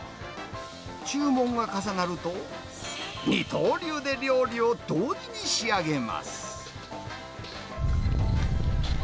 注文が重なると、二刀流で料理を同時に仕上げます。